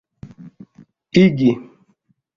igi